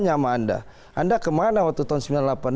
anda kemana waktu tahun seribu sembilan ratus sembilan puluh delapan